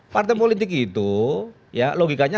partai politik itu ya logikanya